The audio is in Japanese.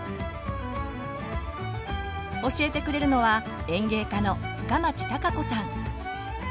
教えてくれるのは園芸家の深町貴子さん。